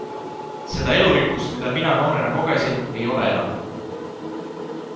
Seda elurikkust, mida mina noorena kogesin, ei ole enam.